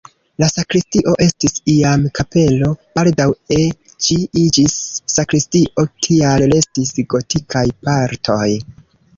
La sakristio estis iam kapelo, baldaŭe ĝi iĝis sakristio, tial restis gotikaj partoj.